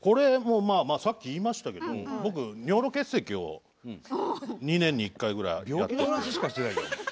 さっき言いましたけど尿路結石を２年に１回ぐらいやってるんです。